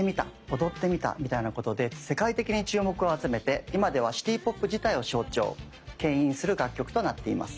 「踊ってみた」みたいなことで世界的に注目を集めて今ではシティーポップ自体を象徴けん引する楽曲となっています。